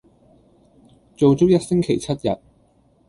做足一星期七天